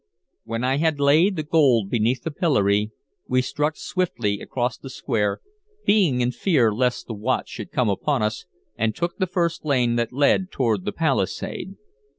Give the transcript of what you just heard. When I had laid the gold beneath the pillory, we struck swiftly across the square, being in fear lest the watch should come upon us, and took the first lane that led toward the palisade.